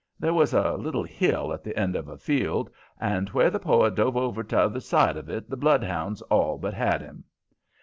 There was a little hill at the end of the field, and where the poet dove over 'tother side of it the bloodhounds all but had him.